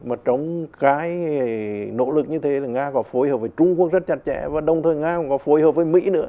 mà trong cái nỗ lực như thế là nga có phối hợp với trung quốc rất chặt chẽ và đồng thời nga cũng có phối hợp với mỹ nữa